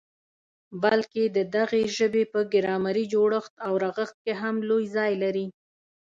بلکي د دغي ژبي په ګرامري جوړښت او رغښت کي هم لوی ځای لري.